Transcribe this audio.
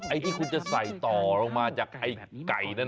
ไอ้ที่คุณจะใส่ต่อลงมาจากไอ้ไก่นั้น